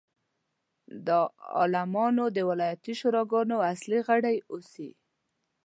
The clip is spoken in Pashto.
د عالمانو د ولایتي شوراګانو اصلي غړي اوسي.